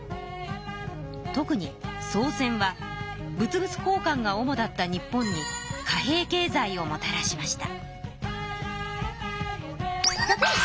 特に宋銭は物々交かんがおもだった日本に貨幣経済をもたらしました。